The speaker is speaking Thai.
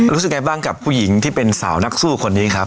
รู้สึกไงบ้างกับผู้หญิงที่เป็นสาวนักสู้คนนี้ครับ